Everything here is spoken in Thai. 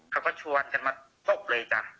เขาก็ชวนกันมาตบเลยจ้ะ